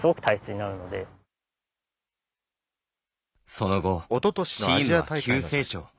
その後チームは急成長。